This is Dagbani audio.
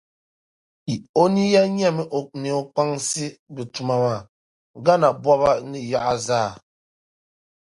O niya nyɛmi ni o kpaŋsi bi tuma maa, Ghana boba ni yaɣa zaa.